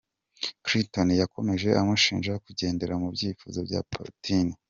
’ Clinton yakomeje amushinja kugendera mu byifuzo bya Putin.